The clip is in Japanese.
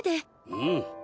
うん。